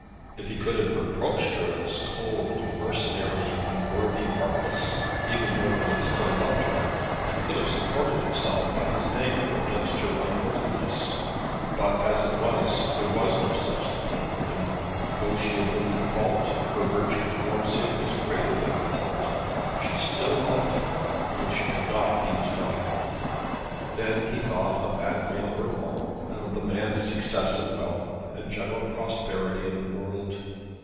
If he could have reproached her as cold, mercenary, unworthy, heartless, even though he had still loved her, he could have supported himself by his anger against her unworthiness. But as it was there was no such support for him. Though she had been in fault, her virtue towards him was greater than her fault. She still loved him. She still loved him, though she could not be his wife. Then he thought of Adrian Urmand and of the man's success and wealth, and general prosperity in the world.